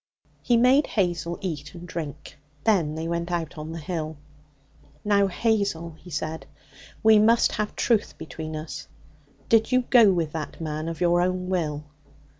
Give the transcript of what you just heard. He made Hazel eat and drink. Then they went out on the hill. 'Now, Hazel,' he said, 'we must have truth between us. Did you go with that man of your own will?'